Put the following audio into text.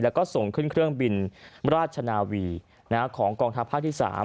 แล้วก็ส่งขึ้นเครื่องบินราชนาวีของกองทัพภาคที่๓